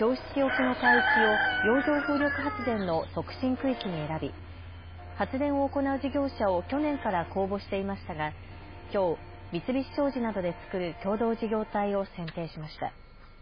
区域に選び発電を行う事業者を去年から公募していましたがきょう三菱商事などで作る共同事業体を選定しました。